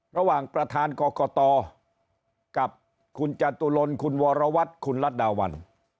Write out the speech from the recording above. ระหว่างประธานกรกตกับคุณจตุรนคุณวรวัตรคุณรัฐดาวัน